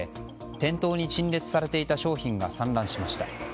店頭に陳列されていた商品が散乱しました。